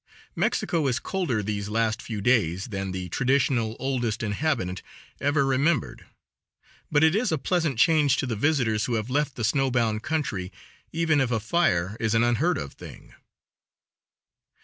Mexico is colder these last few days than the traditional oldest inhabitant ever remembered, but it is a pleasant change to the visitors who have left the snowbound country, even if a fire is an unheard of thing.